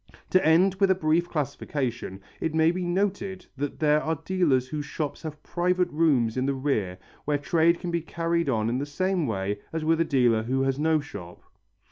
To end with a brief classification, it may be noted that there are dealers whose shops have private rooms in the rear where trade can be carried on in the same way as with a dealer who has no shop.